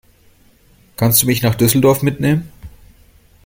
Kannst du mich nach Düsseldorf mitnehmen?